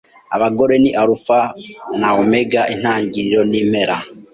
Abagore ni alfa na omega, intangiriro nimpera.